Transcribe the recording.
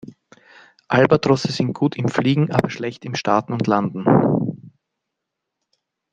Albatrosse sind gut im Fliegen, aber schlecht im Starten und Landen.